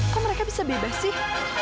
kok mereka bisa bebas sih